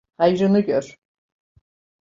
Hayrını gör!